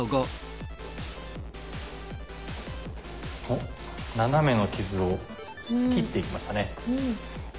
おっナナメの傷を切っていきましたね。